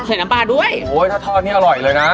น้ำปลาด้วยโอ้ยถ้าทอดนี่อร่อยเลยนะ